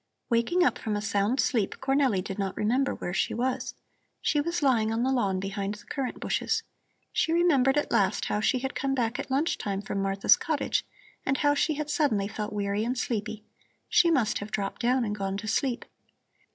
Waking up from a sound sleep, Cornelli did not remember where she was. She was lying on the lawn behind the currant bushes. She remembered at last how she had come back at lunch time from Martha's cottage and how she had suddenly felt weary and sleepy. She must have dropped down and gone to sleep.